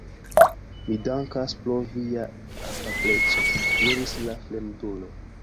Mi dankas pro via afableco, diris la fremdulo.